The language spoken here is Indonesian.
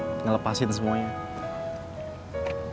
untuk melepaskan semuanya